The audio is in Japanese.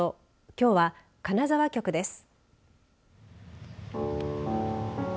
きょうは金沢局です。